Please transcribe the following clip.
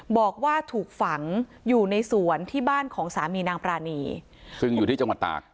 บอกว่าถูกฝังอยู่ในสวนที่บ้านของสามีนางปรานีซึ่งอยู่ที่จังหวัดตาก